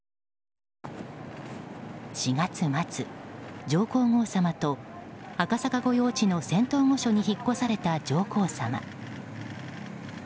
４月末、上皇后さまと赤坂御用地の仙洞御所に引っ越された上皇さま。